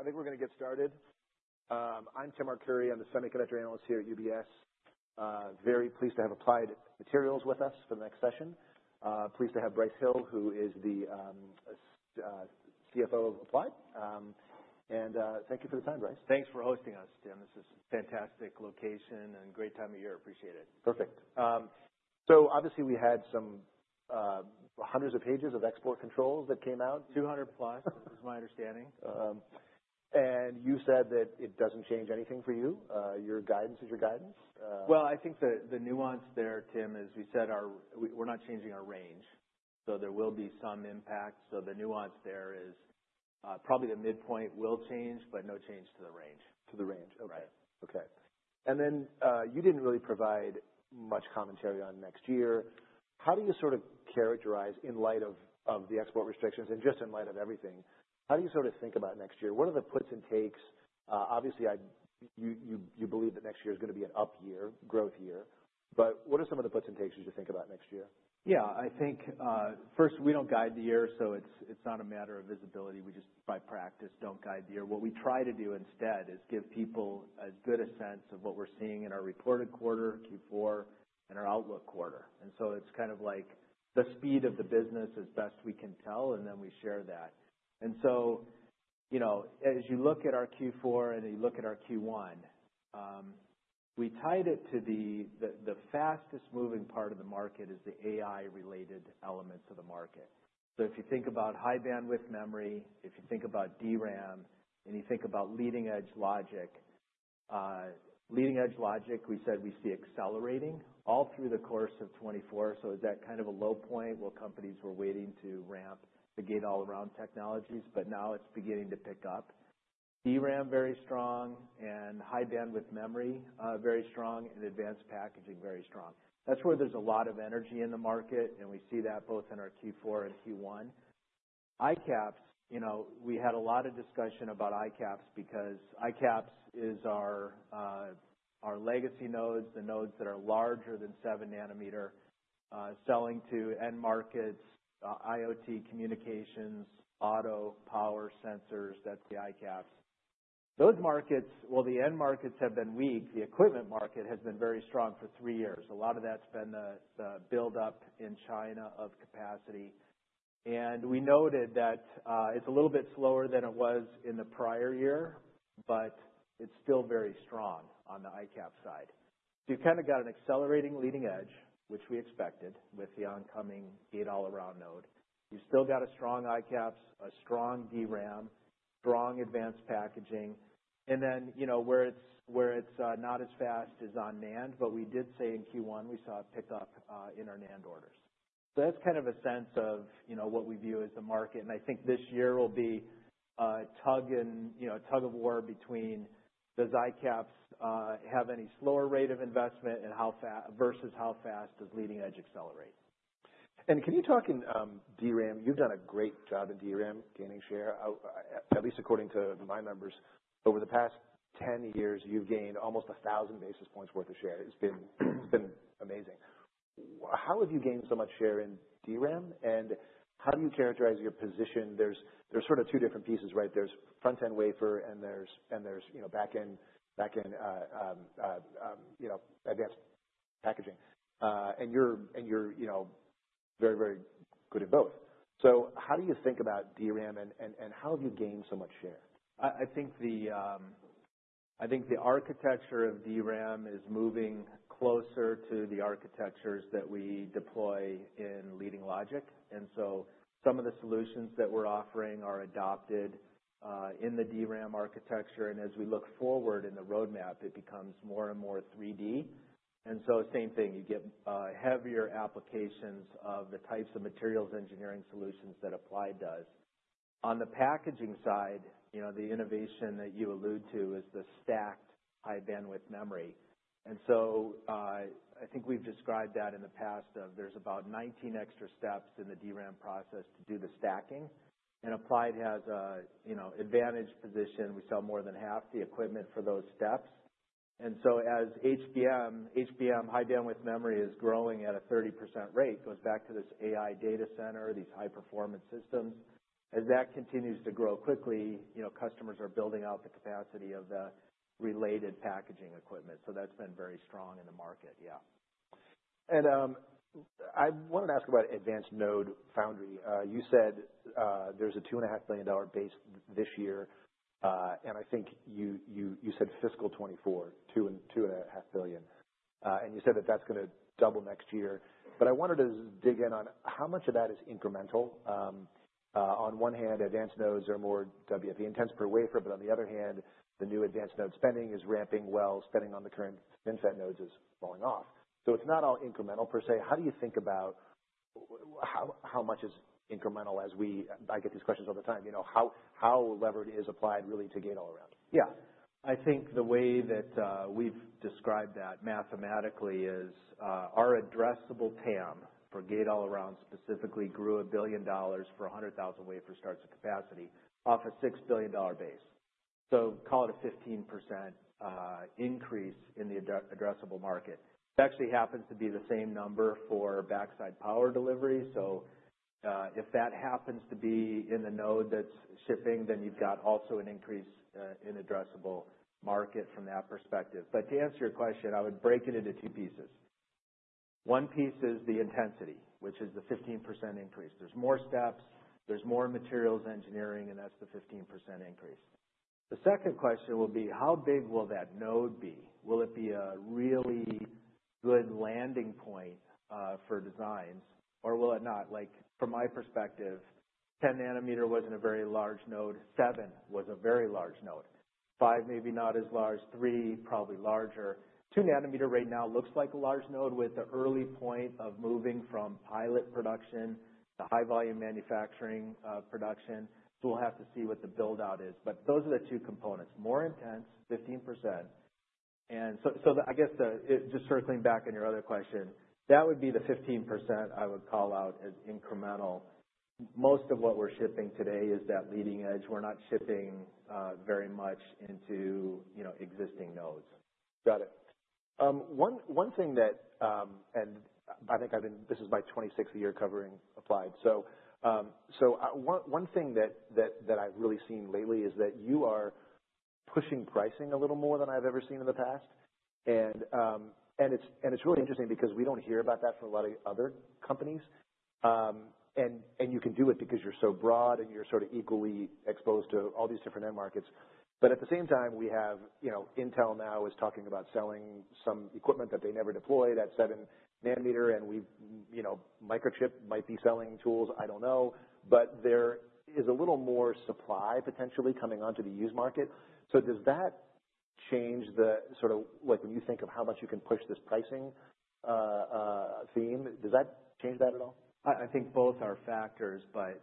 I think we're gonna get started. I'm Tim Arcuri. I'm the semiconductor analyst here at UBS. Very pleased to have Applied Materials with us for the next session. Pleased to have Brice Hill, who is the CFO of Applied. And thank you for the time, Brice. Thanks for hosting us, Tim. This is a fantastic location and great time of year. Appreciate it. Perfect. So obviously we had some hundreds of pages of export controls that came out. Mm-hmm. 200+ is my understanding, and you said that it doesn't change anything for you. Your guidance is your guidance. I think the nuance there, Tim, is we said we're not changing our range. So there will be some impact. So the nuance there is, probably the midpoint will change, but no change to the range. To the range. Okay. Right. Okay. And then, you didn't really provide much commentary on next year. How do you sorta characterize, in light of the export restrictions and just in light of everything, how do you sorta think about next year? What are the puts and takes? Obviously you believe that next year's gonna be an up year, growth year. But what are some of the puts and takes as you think about next year? Yeah. I think, first, we don't guide the year, so it's, it's not a matter of visibility. We just, by practice, don't guide the year. What we try to do instead is give people as good a sense of what we're seeing in our reported quarter, Q4, and our outlook quarter. And so it's kind of like the speed of the business as best we can tell, and then we share that. And so, you know, as you look at our Q4 and you look at our Q1, we tied it to the fastest moving part of the market is the AI-related elements of the market. So if you think about High Bandwidth Memory, if you think about DRAM, and you think about leading-edge logic, leading-edge logic, we said we see accelerating all through the course of 2024. So it was at kind of a low point where companies were waiting to ramp the Gate-All-Around technologies, but now it's beginning to pick up. DRAM very strong and High Bandwidth Memory, very strong and advanced packaging very strong. That's where there's a lot of energy in the market, and we see that both in our Q4 and Q1. ICAPS, you know, we had a lot of discussion about ICAPS because ICAPS is our legacy nodes, the nodes that are larger than nanometer, selling to end markets, IoT communications, auto, power, sensors. That's the ICAPS. Those markets, well, the end markets have been weak. The equipment market has been very strong for three years. A lot of that's been the buildup in China of capacity. We noted that it's a little bit slower than it was in the prior year, but it's still very strong on the ICAPS side. You've kinda got an accelerating leading-edge, which we expected with the oncoming Gate-All-Around node. You've still got a strong ICAPS, a strong DRAM, strong advanced packaging. Then, you know, where it's not as fast as on NAND, but we did say in Q1 we saw it pick up in our NAND orders. That's kind of a sense of, you know, what we view as the market. I think this year will be a tug-of-war between does ICAPS have any slower rate of investment and how fast versus how fast does leading-edge accelerate. Can you talk about DRAM? You've done a great job in DRAM gaining share. At least according to my numbers, over the past 10 years, you've gained almost 1,000 basis points worth of share. It's been amazing. How have you gained so much share in DRAM, and how do you characterize your position? There's sorta two different pieces, right? There's front-end wafer, and there's back-end advanced packaging. And you're very good at both. So how do you think about DRAM, and how have you gained so much share? I think the architecture of DRAM is moving closer to the architectures that we deploy in leading logic. And so some of the solutions that we're offering are adopted in the DRAM architecture. And as we look forward in the roadmap, it becomes more and more 3D. And so same thing, you get heavier applications of the types of materials engineering solutions that Applied does. On the packaging side, you know, the innovation that you allude to is the stacked High Bandwidth Memory. And so, I think we've described that in the past that there's about 19 extra steps in the DRAM process to do the stacking. And Applied has a, you know, advantaged position. We sell more than half the equipment for those steps. And so as HBM, HBM High Bandwidth Memory is growing at a 30% rate, goes back to this AI data center, these high-performance systems. As that continues to grow quickly, you know, customers are building out the capacity of the related packaging equipment. So that's been very strong in the market. Yeah. I wanted to ask about advanced node foundry. You said there's a $2.5 billion base this year. I think you said fiscal 2024, $2 billion-$2.5 billion. You said that that's gonna double next year. I wanted to dig in on how much of that is incremental. On one hand, advanced nodes are more WFE intense per wafer, but on the other hand, the new advanced node spending is ramping well. Spending on the current FinFET nodes is falling off. So it's not all incremental per se. How do you think about how much is incremental? I get these questions all the time, you know, how levered is Applied really to Gate-All-Around? Yeah. I think the way that we've described that mathematically is our addressable TAM for Gate-All-Around specifically grew $1 billion for 100,000 wafer starts of capacity off a $6 billion base. So call it a 15% increase in the addressable market. It actually happens to be the same number for backside power delivery. So if that happens to be in the node that's shipping, then you've got also an increase in addressable market from that perspective. But to answer your question, I would break it into two pieces. One piece is the intensity, which is the 15% increase. There's more steps. There's more materials engineering, and that's the 15% increase. The second question will be how big will that node be? Will it be a really good landing point for designs, or will it not? Like from my perspective, 10 nanometer wasn't a very large node. seven was a very large node. five maybe not as large. Three probably larger. 2 nanometer right now looks like a large node with the early point of moving from pilot production to high volume manufacturing, production. So we'll have to see what the buildout is. But those are the two components. More intense, 15%. And so, the, I guess, just circling back on your other question, that would be the 15% I would call out as incremental. Most of what we're shipping today is that leading edge. We're not shipping very much into, you know, existing nodes. Got it. One thing that, and I think this is my 26th year covering Applied. So, one thing that I've really seen lately is that you are pushing pricing a little more than I've ever seen in the past. And it's really interesting because we don't hear about that from a lot of other companies. And you can do it because you're so broad and you're sorta equally exposed to all these different end markets. But at the same time, we have, you know, Intel now is talking about selling some equipment that they never deployed at 7 nanometer, and we, you know, Microchip might be selling tools. I don't know. But there is a little more supply potentially coming onto the used market. So, does that change the sorta like when you think of how much you can push this pricing theme? Does that change that at all? I think both are factors, but,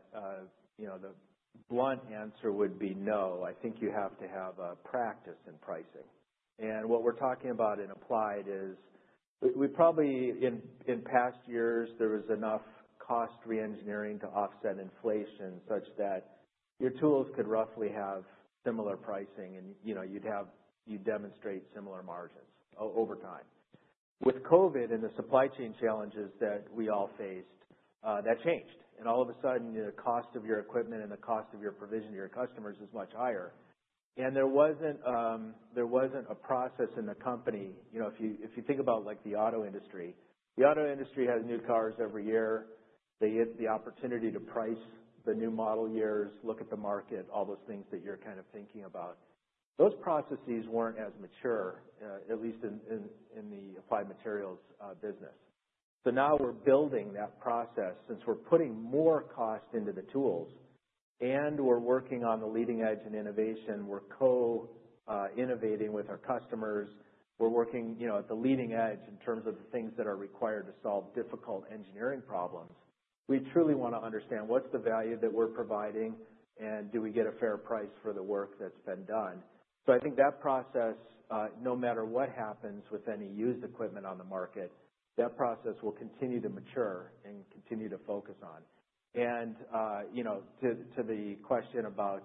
you know, the blunt answer would be no. I think you have to have a practice in pricing. And what we're talking about in Applied is we probably in past years, there was enough cost re-engineering to offset inflation such that your tools could roughly have similar pricing, and, you know, you'd demonstrate similar margins over time. With COVID and the supply chain challenges that we all faced, that changed. And all of a sudden, the cost of your equipment and the cost of your provision to your customers is much higher. And there wasn't a process in the company, you know, if you think about like the auto industry. The auto industry has new cars every year. They get the opportunity to price the new model years, look at the market, all those things that you're kind of thinking about. Those processes weren't as mature, at least in the Applied Materials business. So now we're building that process since we're putting more cost into the tools, and we're working on the leading edge and innovation. We're co-innovating with our customers. We're working, you know, at the leading edge in terms of the things that are required to solve difficult engineering problems. We truly wanna understand what's the value that we're providing, and do we get a fair price for the work that's been done. So I think that process, no matter what happens with any used equipment on the market, that process will continue to mature and continue to focus on. You know, to the question about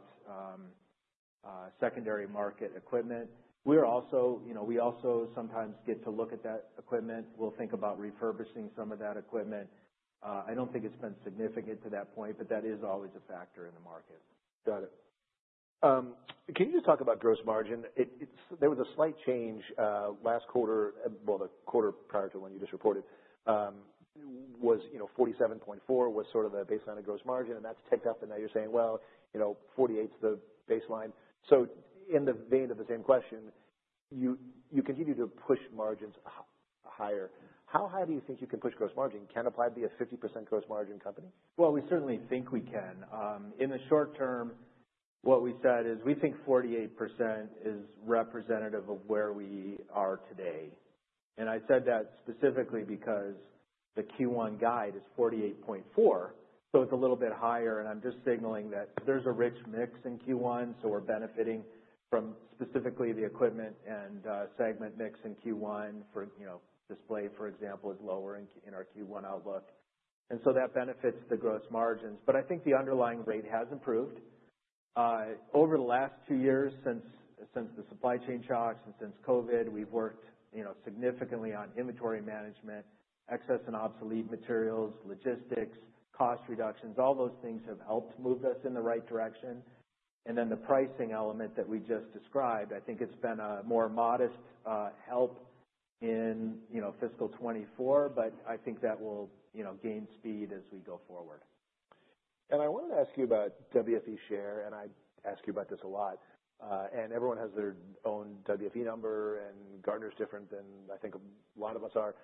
secondary market equipment, we're also, you know, sometimes get to look at that equipment. We'll think about refurbishing some of that equipment. I don't think it's been significant to that point, but that is always a factor in the market. Got it. Can you just talk about gross margin? It there was a slight change, last quarter, well, the quarter prior to when you just reported, was, you know, 47.4% was sorta the baseline of gross margin, and that's ticked up. And now you're saying, well, you know, 48% is the baseline. So in the vein of the same question, you continue to push margins higher. How high do you think you can push gross margin? Can Applied be a 50% gross margin company? Well, we certainly think we can. In the short term, what we said is we think 48% is representative of where we are today. And I said that specifically because the Q1 guide is 48.4%. So it's a little bit higher, and I'm just signaling that there's a rich mix in Q1, so we're benefiting from specifically the equipment and segment mix in Q1 for you know, display, for example, is lower in our Q1 outlook. And so that benefits the gross margins. But I think the underlying rate has improved over the last two years since the supply chain shocks and since COVID, we've worked you know, significantly on inventory management, excess and obsolete materials, logistics, cost reductions. All those things have helped move us in the right direction. And then the pricing element that we just described, I think it's been a more modest help in, you know, fiscal 2024, but I think that will, you know, gain speed as we go forward. I wanted to ask you about WFE share, and I ask you about this a lot, and everyone has their own WFE number, and Gartner's different than, I think, a lot of us are,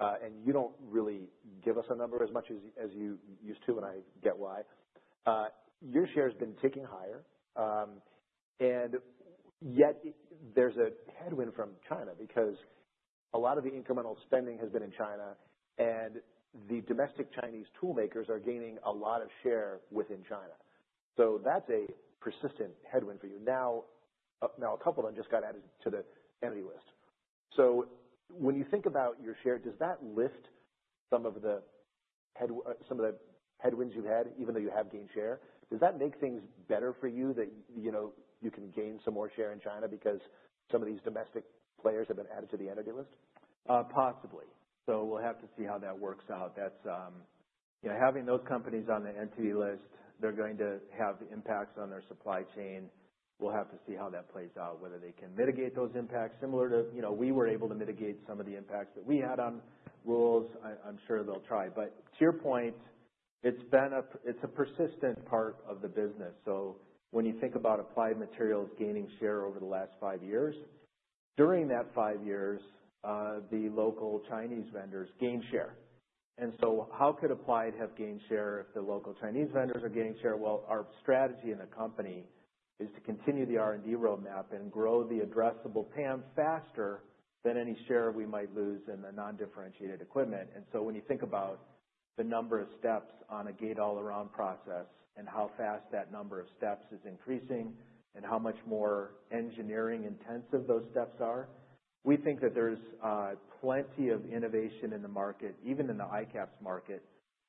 and you don't really give us a number as much as you used to, and I get why. Your share's been ticking higher, and yet there's a headwind from China because a lot of the incremental spending has been in China, and the domestic Chinese toolmakers are gaining a lot of share within China. So that's a persistent headwind for you. Now, a couple of them just got added to the Entity List. So when you think about your share, does that lift some of the headwinds you've had, even though you have gained share? Does that make things better for you that, you know, you can gain some more share in China because some of these domestic players have been added to the Entity List? Possibly. So we'll have to see how that works out. That's, you know, having those companies on the Entity List, they're going to have impacts on their supply chain. We'll have to see how that plays out, whether they can mitigate those impacts similar to, you know, we were able to mitigate some of the impacts that we had on rules. I, I'm sure they'll try. But to your point, it's been a persistent part of the business. So when you think about Applied Materials gaining share over the last five years, during that five years, the local Chinese vendors gained share. And so how could Applied have gained share if the local Chinese vendors are gaining share? Well, our strategy in the company is to continue the R&D roadmap and grow the addressable TAM faster than any share we might lose in the non-differentiated equipment. When you think about the number of steps on a Gate-All-Around process and how fast that number of steps is increasing and how much more engineering intense those steps are, we think that there's plenty of innovation in the market, even in the ICAPS market,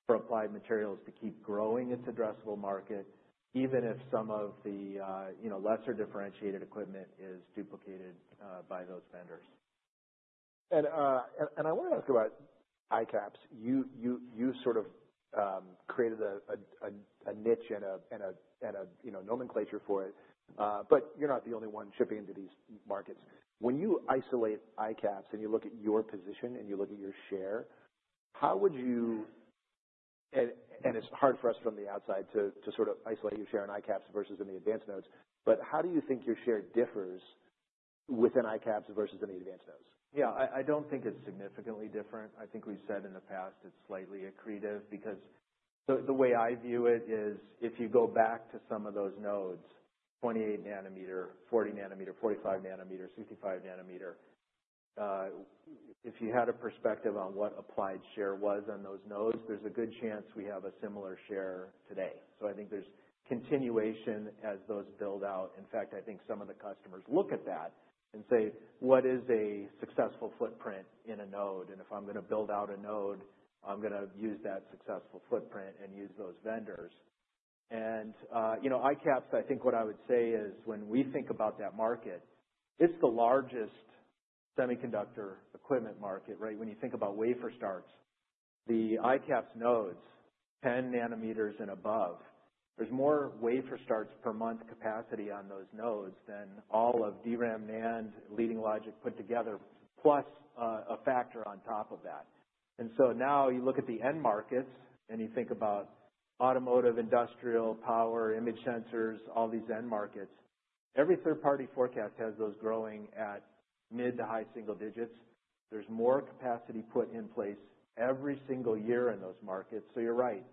for Applied Materials to keep growing its addressable market, even if some of the, you know, lesser differentiated equipment is duplicated by those vendors. I wanted to ask about ICAPS. You sorta created a niche and a you know nomenclature for it. But you're not the only one shipping into these markets. When you isolate ICAPS and you look at your position and you look at your share, how would you and it's hard for us from the outside to sorta isolate your share in ICAPS versus in the advanced nodes. But how do you think your share differs within ICAPS versus in the advanced nodes? Yeah. I don't think it's significantly different. I think we've said in the past it's slightly accretive because the way I view it is if you go back to some of those nodes, 28 nanometer, 40 nanometer, 45 nanometer, 65 nanometer, if you had a perspective on what Applied's share was on those nodes, there's a good chance we have a similar share today. So I think there's continuation as those build out. In fact, I think some of the customers look at that and say, "What is a successful footprint in a node?" And if I'm gonna build out a node, I'm gonna use that successful footprint and use those vendors. And, you know, ICAPS, I think what I would say is when we think about that market, it's the largest semiconductor equipment market, right? When you think about wafer starts, the ICAPS nodes, 10 nanometers and above, there's more wafer starts per month capacity on those nodes than all of DRAM, NAND, leading logic put together, plus a factor on top of that, and so now you look at the end markets and you think about automotive, industrial, power, image sensors, all these end markets. Every third-party forecast has those growing at mid- to high-single digits. There's more capacity put in place every single year in those markets, so you're right.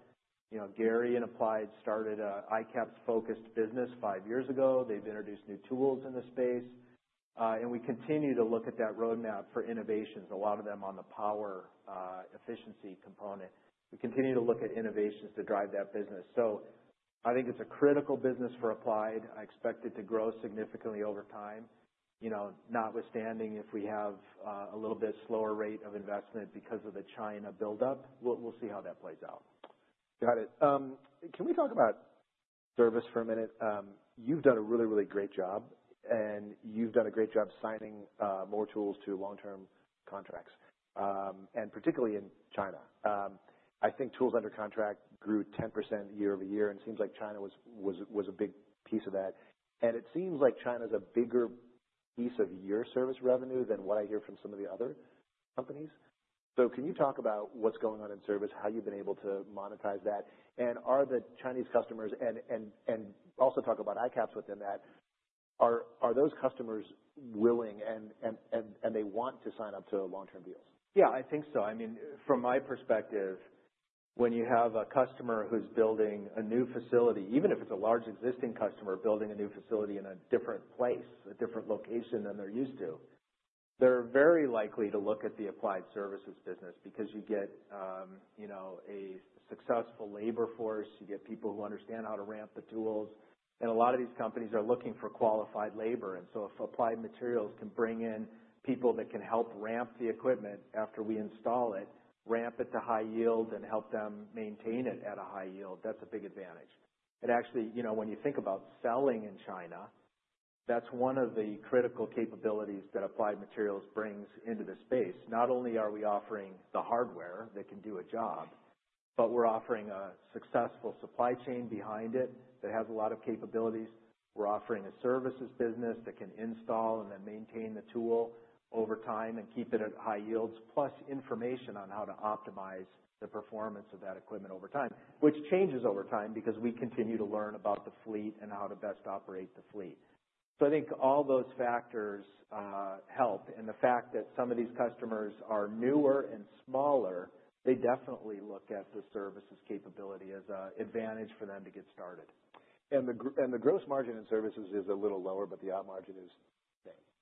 You know, Gary and Applied started a ICAPS-focused business five years ago. They've introduced new tools in the space, and we continue to look at that roadmap for innovations, a lot of them on the power, efficiency component. We continue to look at innovations to drive that business, so I think it's a critical business for Applied. I expect it to grow significantly over time. You know, notwithstanding if we have a little bit slower rate of investment because of the China buildup, we'll see how that plays out. Got it. Can we talk about service for a minute? You've done a really, really great job, and you've done a great job signing more tools to long-term contracts, and particularly in China. I think tools under contract grew 10% year-over-year, and it seems like China was a big piece of that. And it seems like China's a bigger piece of your service revenue than what I hear from some of the other companies. So can you talk about what's going on in service, how you've been able to monetize that, and are the Chinese customers and also talk about ICAPS within that, are those customers willing and they want to sign up to long-term deals? Yeah, I think so. I mean, from my perspective, when you have a customer who's building a new facility, even if it's a large existing customer building a new facility in a different place, a different location than they're used to, they're very likely to look at the Applied Services business because you get, you know, a successful labor force. You get people who understand how to ramp the tools. And a lot of these companies are looking for qualified labor. And so if Applied Materials can bring in people that can help ramp the equipment after we install it, ramp it to high yield, and help them maintain it at a high yield, that's a big advantage. And actually, you know, when you think about selling in China, that's one of the critical capabilities that Applied Materials brings into the space. Not only are we offering the hardware that can do a job, but we're offering a successful supply chain behind it that has a lot of capabilities. We're offering a services business that can install and then maintain the tool over time and keep it at high yields, plus information on how to optimize the performance of that equipment over time, which changes over time because we continue to learn about the fleet and how to best operate the fleet. So I think all those factors help. And the fact that some of these customers are newer and smaller. They definitely look at the services capability as an advantage for them to get started. The gross margin in services is a little lower, but the op margin is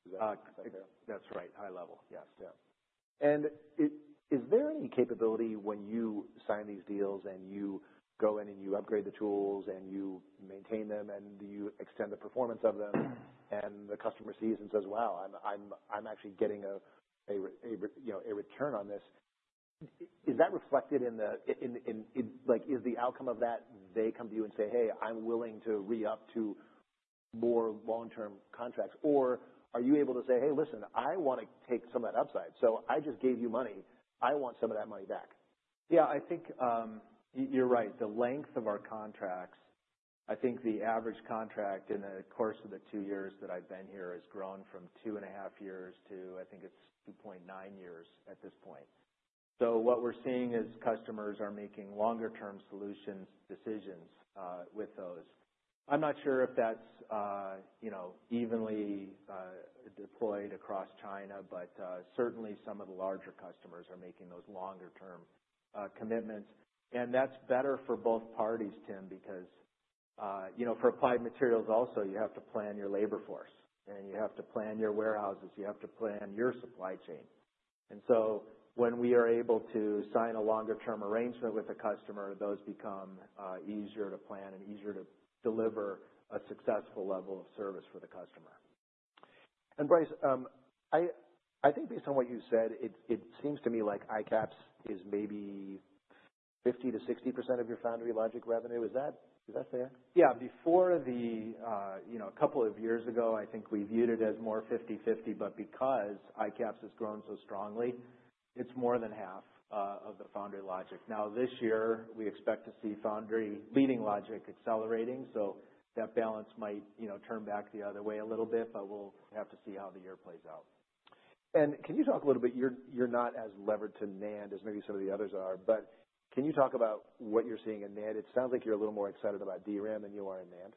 there. Is that correct? That's right. High level. Yes. Yeah. And is there any capability when you sign these deals and you go in and you upgrade the tools and you maintain them and you extend the performance of them and the customer sees and says, "Wow, I'm actually getting a you know a return on this," is that reflected in the, like, is the outcome of that they come to you and say, "Hey, I'm willing to re-up to more long-term contracts," or are you able to say, "Hey, listen, I wanna take some of that upside. So I just gave you money. I want some of that money back"? Yeah, I think, you're right. The length of our contracts, I think the average contract in the course of the two years that I've been here has grown from two and a half years to I think it's 2.9 years at this point. So what we're seeing is customers are making longer-term solutions decisions, with those. I'm not sure if that's, you know, evenly, deployed across China, but, certainly some of the larger customers are making those longer-term, commitments. And that's better for both parties, Tim, because, you know, for Applied Materials also, you have to plan your labor force, and you have to plan your warehouses. You have to plan your supply chain. And so when we are able to sign a longer-term arrangement with a customer, those become, easier to plan and easier to deliver a successful level of service for the customer. Brice, I think based on what you said, it seems to me like ICAPS is maybe 50%-60% of your foundry logic revenue. Is that fair? Yeah. Before the, you know, a couple of years ago, I think we viewed it as more 50/50, but because ICAPS has grown so strongly, it's more than half of the foundry logic. Now, this year, we expect to see foundry leading logic accelerating. So that balance might, you know, turn back the other way a little bit, but we'll have to see how the year plays out. Can you talk a little bit? You're not as levered to NAND as maybe some of the others are, but can you talk about what you're seeing in NAND? It sounds like you're a little more excited about DRAM than you are in NAND.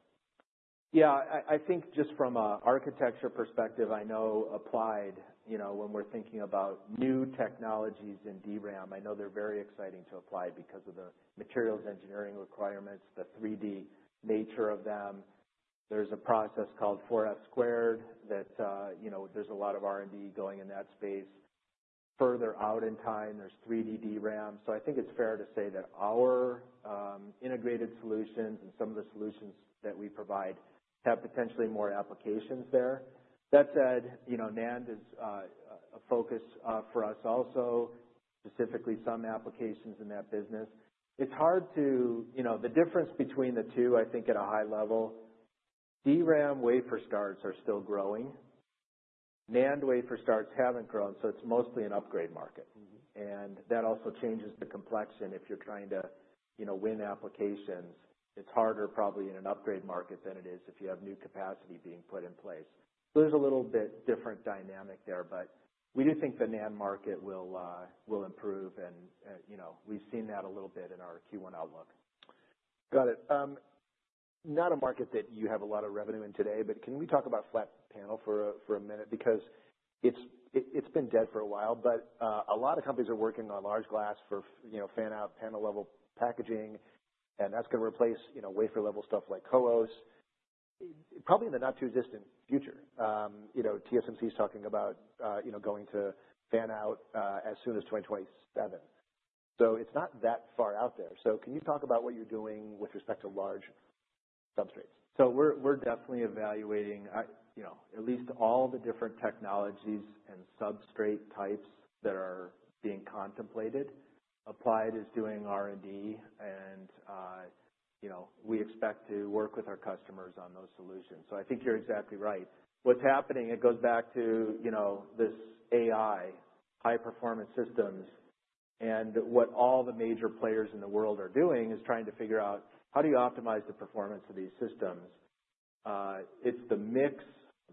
Yeah. I think just from a architecture perspective, I know Applied, you know, when we're thinking about new technologies in DRAM, I know they're very exciting to Applied because of the materials engineering requirements, the 3D nature of them. There's a process called 4F-squared that, you know, there's a lot of R&D going in that space. Further out in time, there's 3D DRAM. So I think it's fair to say that our integrated solutions and some of the solutions that we provide have potentially more applications there. That said, you know, NAND is a focus for us also, specifically some applications in that business. It's hard to, you know, the difference between the two, I think at a high level, DRAM wafer starts are still growing. NAND wafer starts haven't grown, so it's mostly an upgrade market. Mm-hmm. And that also changes the complexion if you're trying to, you know, win applications. It's harder probably in an upgrade market than it is if you have new capacity being put in place. So there's a little bit different dynamic there, but we do think the NAND market will improve. And, you know, we've seen that a little bit in our Q1 outlook. Got it. Not a market that you have a lot of revenue in today, but can we talk about flat panel for a minute? Because it's been dead for a while, but a lot of companies are working on large glass for, you know, fan-out panel level packaging, and that's gonna replace, you know, wafer level stuff like CoWoS probably in the not-too-distant future. You know, TSMC's talking about, you know, going to fan-out, as soon as 2027. So it's not that far out there. So can you talk about what you're doing with respect to large substrates? So we're definitely evaluating, you know, at least all the different technologies and substrate types that are being contemplated. Applied is doing R&D, and, you know, we expect to work with our customers on those solutions. So I think you're exactly right. What's happening? It goes back to, you know, this AI, high-performance systems. And what all the major players in the world are doing is trying to figure out how do you optimize the performance of these systems. It's the mix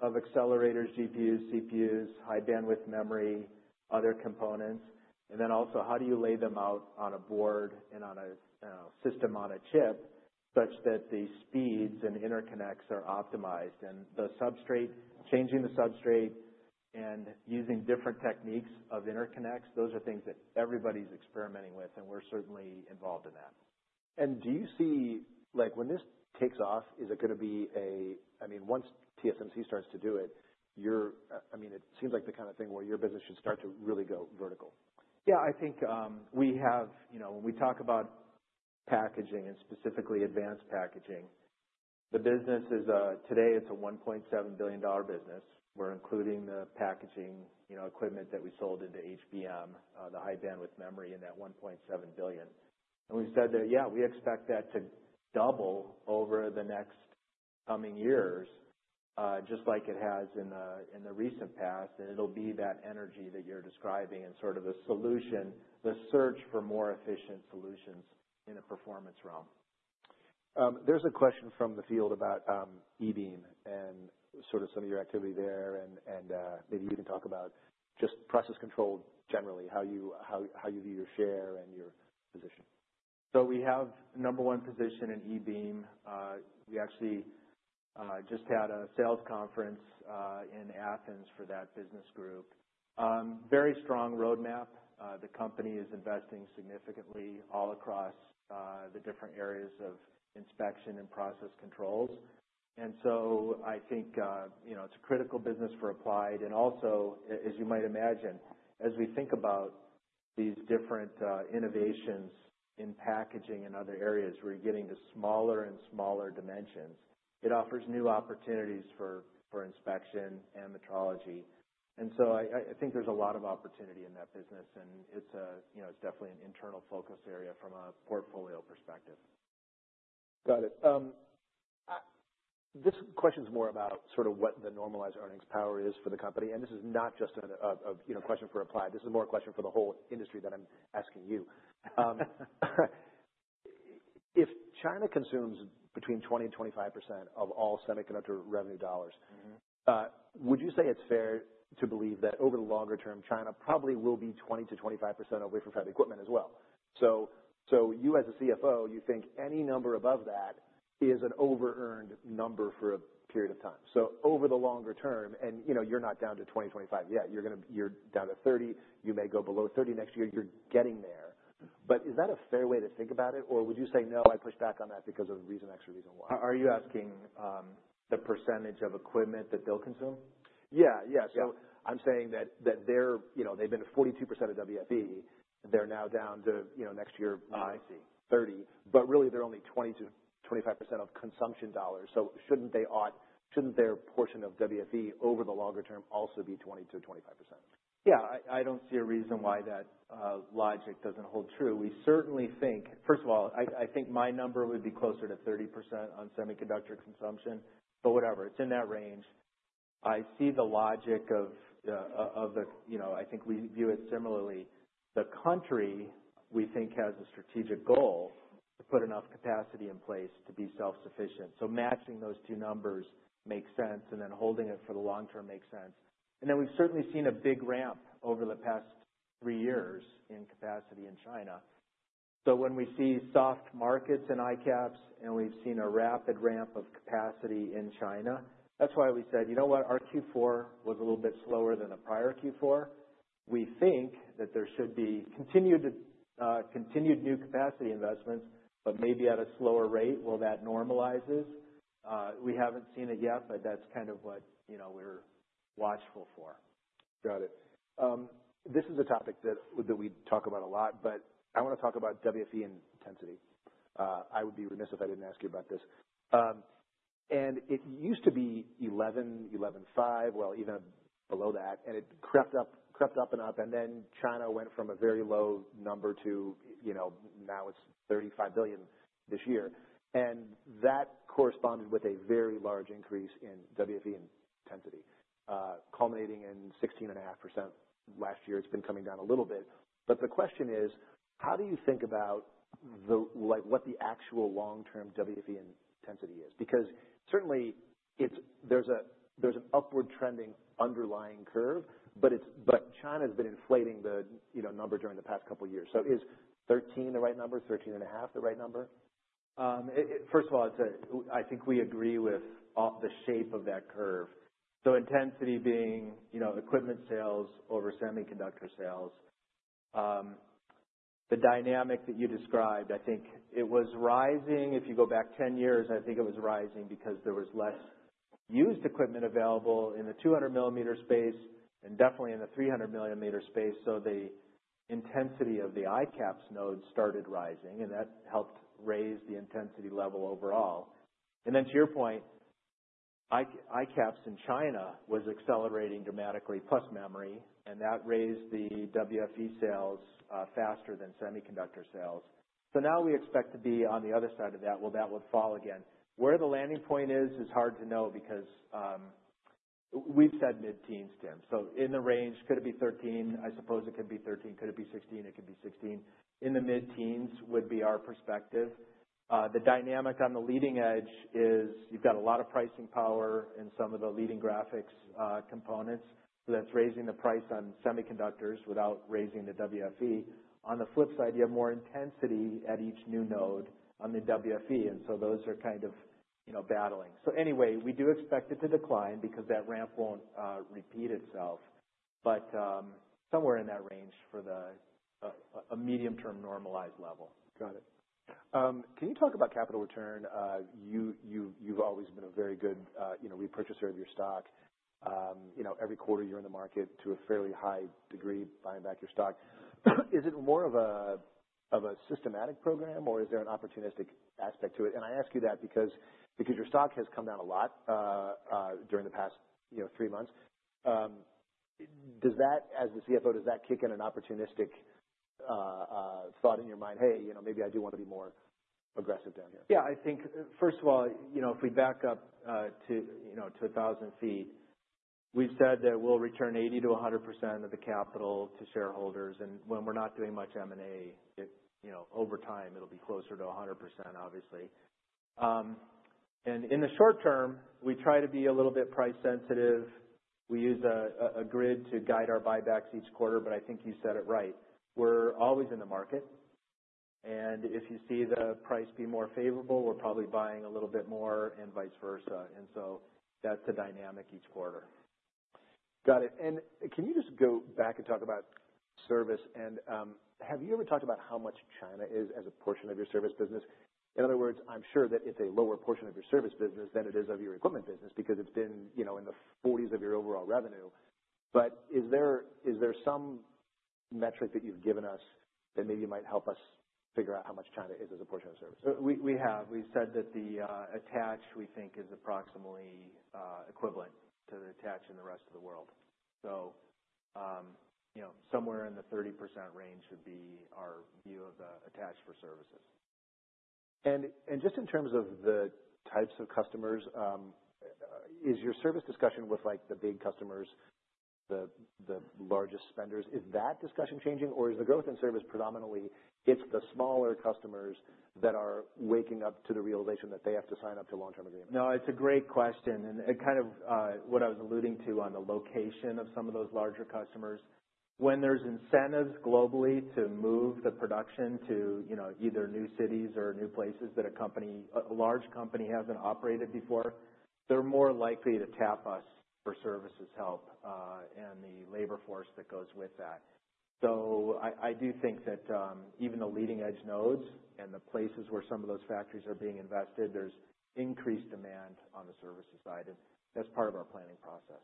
of accelerators, GPUs, CPUs, High Bandwidth Memory, other components, and then also how do you lay them out on a board and on a system on a chip such that the speeds and interconnects are optimized. And the substrate, changing the substrate and using different techniques of interconnects, those are things that everybody's experimenting with, and we're certainly involved in that. Do you see, like, when this takes off, is it gonna be a, I mean, once TSMC starts to do it, you're, I mean, it seems like the kind of thing where your business should start to really go vertical? Yeah, I think we have, you know, when we talk about packaging and specifically advanced packaging, the business is today it's a $1.7 billion business. We're including the packaging, you know, equipment that we sold into HBM, the High Bandwidth Memory in that $1.7 billion. And we've said that, yeah, we expect that to double over the next coming years, just like it has in the, in the recent past. And it'll be that energy that you're describing and sorta the solution, the search for more efficient solutions in a performance realm. There's a question from the field about eBeam and sorta some of your activity there. And maybe you can talk about just process control generally, how you view your share and your position. So we have number one position in eBeam. We actually just had a sales conference in Athens for that business group. Very strong roadmap. The company is investing significantly all across the different areas of inspection and process controls. And so I think, you know, it's a critical business for Applied. And also, as you might imagine, as we think about these different innovations in packaging and other areas, we're getting to smaller and smaller dimensions. It offers new opportunities for inspection and metrology. And so I think there's a lot of opportunity in that business, and it's a, you know, it's definitely an internal focus area from a portfolio perspective. Got it. This question's more about sorta what the normalized earnings power is for the company. And this is not just an, you know, question for Applied. This is more a question for the whole industry that I'm asking you. If China consumes between 20%-25% of all semiconductor revenue dollars. Mm-hmm. Would you say it's fair to believe that over the longer term, China probably will be 20%-25% of wafer fab equipment as well? So, so you as a CFO, you think any number above that is an over-earned number for a period of time. So over the longer term, and, you know, you're not down to 2025 yet. You're gonna you're down to 30. You may go below 30 next year. You're getting there. But is that a fair way to think about it, or would you say, "No, I push back on that because of reason X or reason Y"? Are you asking, the percentage of equipment that they'll consume? Yeah. Yeah. Yeah. So I'm saying that they're, you know, they've been at 42% of WFE. They're now down to, you know, next year. Oh, I see. But really, they're only 20%-25% of consumption dollars. So shouldn't their portion of WFE over the longer term also be 20%-25%? Yeah. I don't see a reason why that logic doesn't hold true. We certainly think, first of all, I think my number would be closer to 30% on semiconductor consumption, but whatever. It's in that range. I see the logic of the, you know, I think we view it similarly. The country, we think, has a strategic goal to put enough capacity in place to be self-sufficient. So matching those two numbers makes sense, and then holding it for the long term makes sense. And then we've certainly seen a big ramp over the past three years in capacity in China. So when we see soft markets in ICAPS and we've seen a rapid ramp of capacity in China, that's why we said, "You know what? Our Q4 was a little bit slower than the prior Q4. We think that there should be continued new capacity investments, but maybe at a slower rate. That normalizes. We haven't seen it yet, but that's kind of what, you know, we're watchful for. Got it. This is a topic that, that we talk about a lot, but I wanna talk about WFE intensity. I would be remiss if I didn't ask you about this. And it used to be 11, 11.5, well, even below that, and it crept up, crept up and up. And then China went from a very low number to, you know, now it's $35 billion this year. And that corresponded with a very large increase in WFE intensity, culminating in 16.5% last year. It's been coming down a little bit. But the question is, how do you think about the, like, what the actual long-term WFE intensity is? Because certainly it's there's a, there's an upward trending underlying curve, but it's, but China's been inflating the, you know, number during the past couple of years. So is 13% the right number? 13 and a half, the right number? First of all, it's. I think we agree with all the shape of that curve. So intensity being, you know, equipment sales over semiconductor sales. The dynamic that you described, I think it was rising. If you go back 10 years, I think it was rising because there was less used equipment available in the 200 mm space and definitely in the 300 mm space. So the intensity of the ICAPS nodes started rising, and that helped raise the intensity level overall. And then to your point, ICAPS in China was accelerating dramatically, plus memory, and that raised the WFE sales faster than semiconductor sales. So now we expect to be on the other side of that. Well, that would fall again. Where the landing point is, is hard to know because we've said mid-teens, Tim. So in the range, could it be 13? I suppose it could be 13. Could it be 16? It could be 16. In the mid-teens would be our perspective. The dynamic on the leading edge is you've got a lot of pricing power in some of the leading graphics components. So that's raising the price on semiconductors without raising the WFE. On the flip side, you have more intensity at each new node on the WFE. And so those are kind of, you know, battling. So anyway, we do expect it to decline because that ramp won't repeat itself, but somewhere in that range for the a medium-term normalized level. Got it. Can you talk about capital return? You've always been a very good, you know, repurchaser of your stock. You know, every quarter you're in the market to a fairly high degree buying back your stock. Is it more of a systematic program, or is there an opportunistic aspect to it? And I ask you that because your stock has come down a lot during the past, you know, three months. Does that, as the CFO, does that kick in an opportunistic thought in your mind, "Hey, you know, maybe I do wanna be more aggressive down here"? Yeah. I think, first of all, you know, if we back up to, you know, 1,000 ft, we've said that we'll return 80%-100% of the capital to shareholders. And when we're not doing much M&A, it, you know, over time, it'll be closer to 100%, obviously. And in the short term, we try to be a little bit price sensitive. We use a grid to guide our buybacks each quarter, but I think you said it right. We're always in the market. And if you see the price be more favorable, we're probably buying a little bit more and vice versa. And so that's a dynamic each quarter. Got it. And can you just go back and talk about service? And have you ever talked about how much China is as a portion of your service business? In other words, I'm sure that it's a lower portion of your service business than it is of your equipment business because it's been, you know, in the 40s of your overall revenue. But is there some metric that you've given us that maybe might help us figure out how much China is as a portion of service? We have. We said that the attach we think is approximately equivalent to the attach in the rest of the world, so you know, somewhere in the 30% range would be our view of the attach for services. Just in terms of the types of customers, is your service discussion with, like, the big customers, the largest spenders, is that discussion changing, or is the growth in service predominantly it's the smaller customers that are waking up to the realization that they have to sign up to long-term agreements? No, it's a great question. And it kind of, what I was alluding to on the location of some of those larger customers, when there's incentives globally to move the production to, you know, either new cities or new places that a company, a large company hasn't operated before, they're more likely to tap us for services help, and the labor force that goes with that. So I, I do think that, even the leading edge nodes and the places where some of those factories are being invested, there's increased demand on the services side. And that's part of our planning process.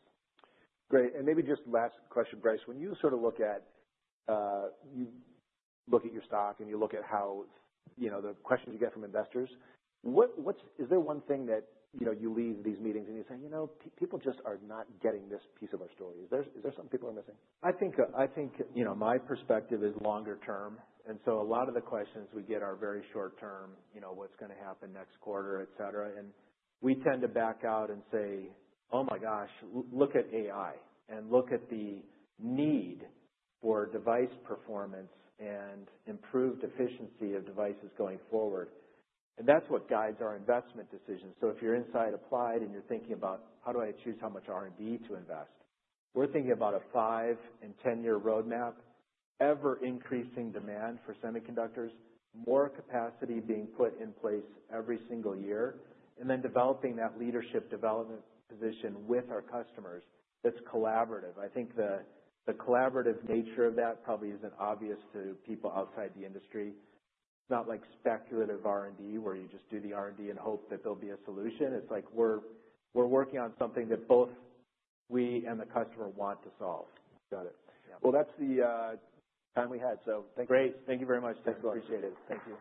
Great. And maybe just last question, Brice. When you sorta look at your stock and you look at how, you know, the questions you get from investors, what's one thing that, you know, you leave these meetings and you say, "You know, people just are not getting this piece of our story." Is there something people are missing? I think, you know, my perspective is longer term. And so a lot of the questions we get are very short term, you know, what's gonna happen next quarter, etc. And we tend to back out and say, "Oh my gosh, look at AI and look at the need for device performance and improved efficiency of devices going forward." And that's what guides our investment decisions. So if you're inside Applied and you're thinking about, "How do I choose how much R&D to invest?" We're thinking about a five and 10-year roadmap, ever-increasing demand for semiconductors, more capacity being put in place every single year, and then developing that leadership development position with our customers that's collaborative. I think the collaborative nature of that probably isn't obvious to people outside the industry. It's not like speculative R&D where you just do the R&D and hope that there'll be a solution. It's like we're working on something that both we and the customer want to solve. Got it. Yeah. That's the time we had. So thank you. Great. Thank you very much, Tim. Thanks a lot. Appreciate it. Thank you.